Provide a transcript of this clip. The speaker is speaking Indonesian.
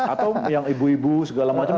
atau yang ibu ibu segala macam